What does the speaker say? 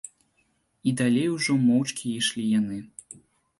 І далей ужо моўчкі ішлі яны.